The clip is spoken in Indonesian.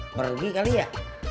pergi kali ya